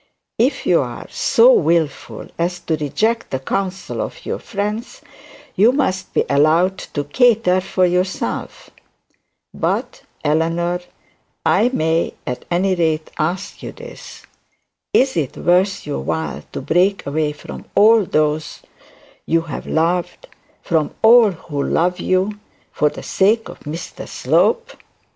If you are so wilful as to reject the counsel of your friends, you must be allowed to cater for yourself. Is it worth you while to break away from all those you have loved from all who love you for the sake of Mr Slope?'